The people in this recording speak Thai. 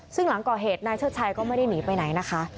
ซึ่งหลังก่อเหตุนายเชิดชัยก็ไม่ได้หนีไปไหนนะคะ